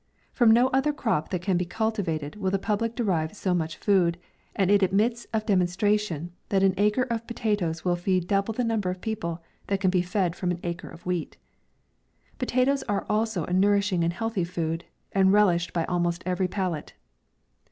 From no other crop that can be cultivated will the public derive so much food, and it admits of demon stration, that an acre of potatoes will feed double the number of people that can be fed from an acre of wheat. Potatoes are also a nourishing and healthy food, and relished by almost every palate."